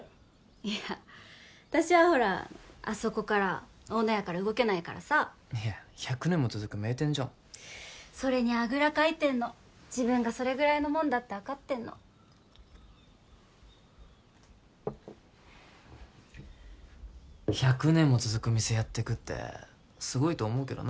いや私はほらあそこから大野屋から動けないからさいや１００年も続く名店じゃんそれにあぐらかいてんの自分がそれぐらいのもんだって分かってんの１００年も続く店やってくってすごいと思うけどな